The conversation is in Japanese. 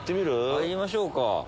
入りましょうか。